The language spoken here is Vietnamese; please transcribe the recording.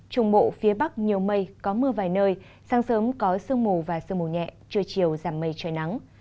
trung bộ phía bắc nhiều mây có mưa vài nơi sáng sớm có sương mù và sương mù nhẹ trưa chiều giảm mây trời nắng